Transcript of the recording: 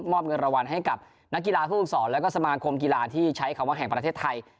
เงินรางวัลให้กับนักกีฬาผู้ฝึกศรแล้วก็สมาคมกีฬาที่ใช้คำว่าแห่งประเทศไทย